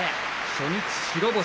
初日、白星。